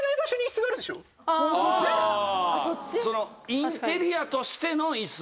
インテリアとしての椅子？